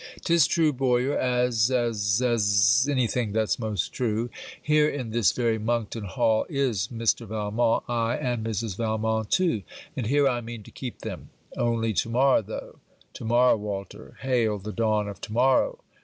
Tis true, Boyer, as as as any thing that's most true. Here, in this very Monkton Hall, is Mr. Valmont, ay, and Mrs. Valmont too; and here I mean to keep them: only to morrow though. To morrow! Walter! Hail the dawn of to morrow!